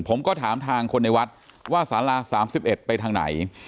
ผมก็ถามทางคนในวัดว่าสารา๓๑ไปทางไหน